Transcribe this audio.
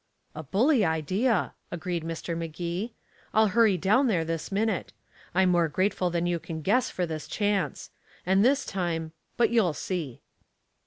"A bully idea," agreed Mr. Magee. "I'll hurry down there this minute. I'm more grateful than you can guess for this chance. And this time but you'll see."